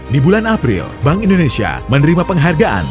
di bulan april bank indonesia menerima penghargaan